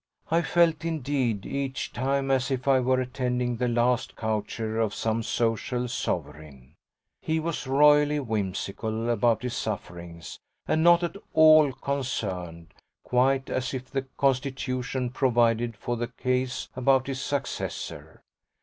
I felt indeed each time as if I were attending the last coucher of some social sovereign. He was royally whimsical about his sufferings and not at all concerned quite as if the Constitution provided for the case about his successor.